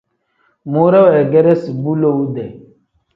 Muure weegeresi bu lowu-dee.